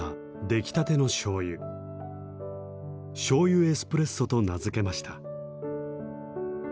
醤油エスプレッソと名付けました。